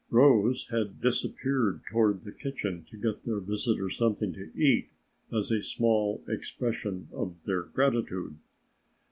Rose had disappeared toward the kitchen to get their visitor something to eat as a small expression of their gratitude.